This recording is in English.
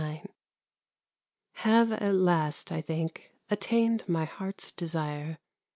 Have at last, I think, attained my heart's desire.